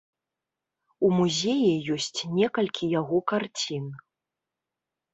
У музеі ёсць некалькі яго карцін.